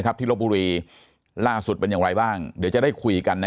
ที่ลบบุรีล่าสุดเป็นอย่างไรบ้างเดี๋ยวจะได้คุยกัน